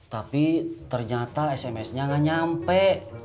tapi ternyata smsnya gak nyampe